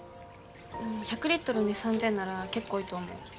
１００リットルに３，０００なら結構いいと思う。